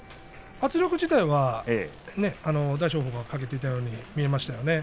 圧力自体は大翔鵬がかけていたように見えましたね。